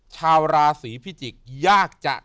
ขาวราศรีพิจิกยากจะ